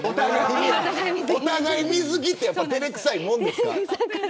お互い水着って照れくさいもんですか。